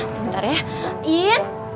sebentar ya ian